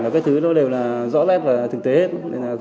và cái thứ đó đều là rõ ràng và thực tế hết